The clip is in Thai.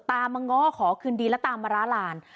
ตามมาง่อขอคืนดีและตามมาล้าราญ